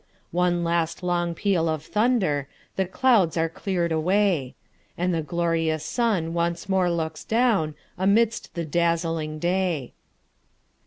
One last long peal of thunder:The clouds are clear'd away, And the glorious sun once more looks downAmidst the dazzling day.